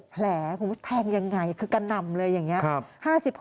๕๖แผลคุณผู้ชมแทงอย่างไรคือกันนำเลยอย่างนี้